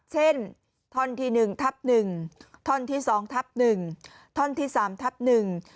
ท่อนที่หนึ่งทับหนึ่งท่อนที่สองทับหนึ่งท่อนที่สามทับหนึ่ง